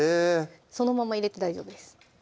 そのまま入れて大丈夫です